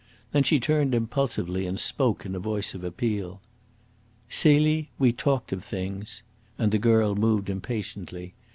Then she turned impulsively and spoke in a voice of appeal. "Celie, we talked of things"; and the girl moved impatiently.